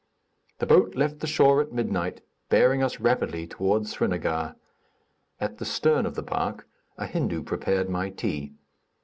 The boat left the shore at midnight, bearing us rapidly toward Srinagar. At the stern of the bark, a Hindu prepared my tea.